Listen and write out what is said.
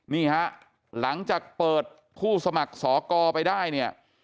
นี่ฮะหลังจากเปิดผู้สมัครสอกรไปได้เนี่ย